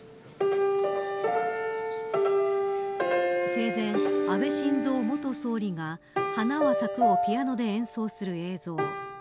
生前、安倍晋三元総理が花は咲くをピアノで演奏する映像。